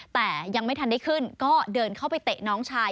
แต่ยังไม่ทันได้ขึ้นก็เดินเข้าไปเตะน้องชาย